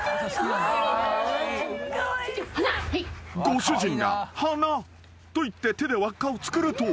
［ご主人が「鼻」と言って手で輪っかを作ると］